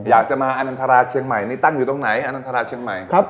อยากจะมาอนันทราเชียงใหม่นี่ตั้งอยู่ตรงไหนอนันทราเชียงใหม่ครับ